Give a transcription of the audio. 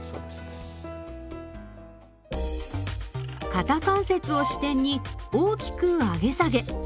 肩関節を支点に大きく上げ下げ。